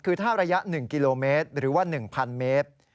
คือถ้าระยะ๑กิโลเมตรหรือว่า๑๐๐เมตร